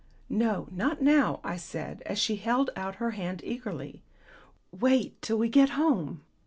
"No, not now," I said, as she held out her hand eagerly. "Wait till we get home."